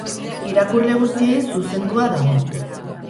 Irakurle guztiei zuzendua dago.